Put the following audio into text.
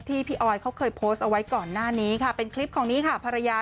ที่พี่ออยเคยโพสเอาไว้ก่อนหน้านี้เป็นคลิปของนี้ค่ะ